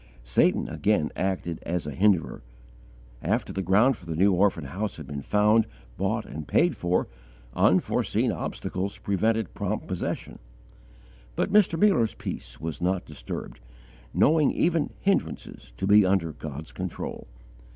Satan again acted as a hinderer. After the ground for the new orphan house had been found, bought and paid for, unforeseen obstacles prevented prompt possession; but Mr. Muller's peace was not disturbed, knowing even hindrances to be under God's control.